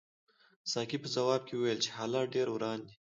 ساقي په ځواب کې وویل چې حالات ډېر وران دي.